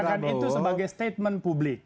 prabowo mengatakan itu sebagai statement publik